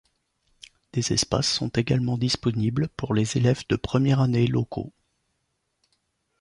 Des espaces sont également disponibles pour les élèves de première année locaux.